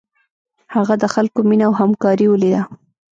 هغه د خلکو مینه او همکاري ولیده.